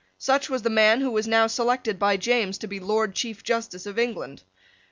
Such was the man who was now selected by James to be Lord Chief justice of England.